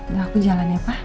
udah aku jalan ya pak